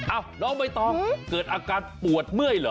อ้าวน้องมัยตอบเกิดอาการปวดเมื่อยเหรอ